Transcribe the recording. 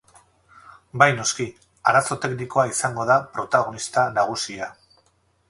Bai noski, arazo teknikoa izango da protagonista nagusia.